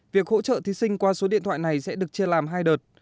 việc hỗ trợ thí sinh qua số điện thoại này sẽ được chia làm hai đợt